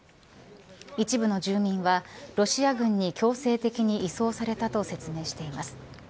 一部の住民はロシア軍に強制的に移送されたと説明しています。